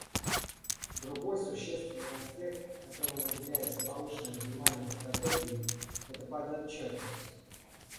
Другой существенный аспект, которому уделяется повышенное внимание в Стратегии, — это подотчетность.